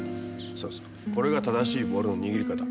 これが正しいボールの握り方。